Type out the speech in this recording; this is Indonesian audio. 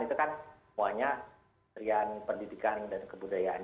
itu kan semuanya rian pendidikan dan kebudayaan